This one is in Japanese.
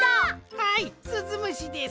はいすずむしです。